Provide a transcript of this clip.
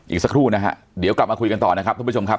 อีกสักครู่นะฮะเดี๋ยวกลับมาคุยกันต่อนะครับท่านผู้ชมครับ